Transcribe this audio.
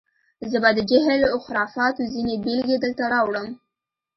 زه به د جهل و خرافاتو ځینې بېلګې دلته راوړم.